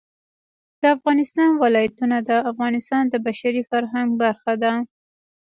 د افغانستان ولايتونه د افغانستان د بشري فرهنګ برخه ده.